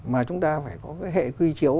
mà chúng ta phải có cái hệ quy chiếu